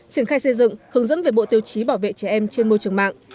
triển khai xây dựng hướng dẫn về bộ tiêu chí bảo vệ trẻ em trên môi trường mạng